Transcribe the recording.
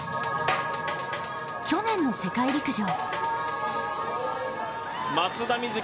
去年の世界陸上。